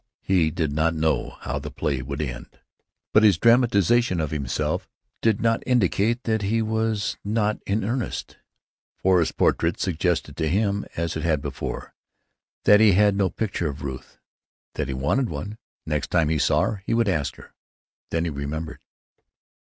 He did not know how the play would end. But his dramatization of himself did not indicate that he was not in earnest. Forrest's portrait suggested to him, as it had before, that he had no picture of Ruth, that he wanted one. Next time he saw her he would ask her.... Then he remembered.